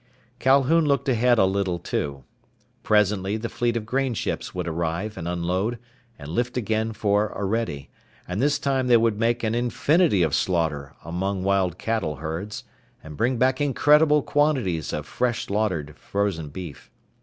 Calhoun looked ahead a little, too. Presently the fleet of grain ships would arrive and unload and lift again for Orede, and this time they would make an infinity of slaughter among wild cattle herds, and bring back incredible quantities of fresh slaughtered frozen beef.